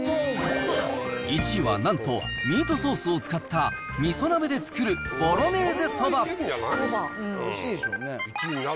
１位はなんとミートソースを使ったみそ鍋で作るボロネーゼそば。